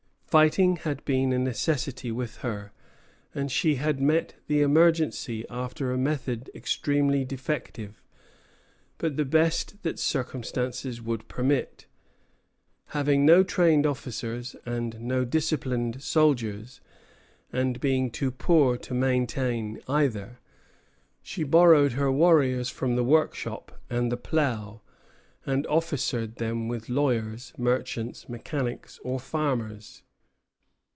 Fighting had been a necessity with her, and she had met the emergency after a method extremely defective, but the best that circumstances would permit. Having no trained officers and no disciplined soldiers, and being too poor to maintain either, she borrowed her warriors from the workshop and the plough, and officered them with lawyers, merchants, mechanics, or farmers.